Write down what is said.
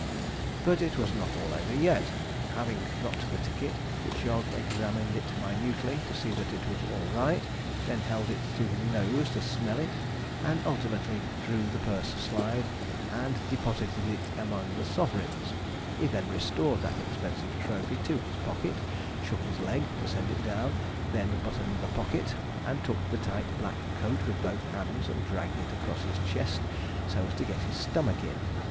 But it was not all over yet. Having got the ticket Jog examined it minutely, to see that it was all right, then held it to his nose to smell it, and ultimately drew the purse slide, and deposited it among the sovereigns. He then restored that expensive trophy to his pocket, shook his leg, to send it down, then buttoned the pocket, and took the tight black coat with both hands and dragged it across his chest, so as to get his stomach in.